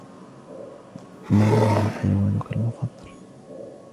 من هو حيوانك المفضل ؟